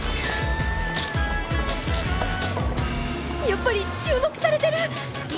やっぱり注目されてる！